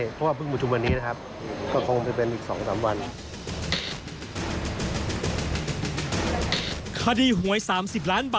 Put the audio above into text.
เพราะว่าเพิ่งมุมชุมวันนี้นะครับ